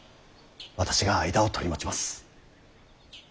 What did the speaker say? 私が間を取り持ちます。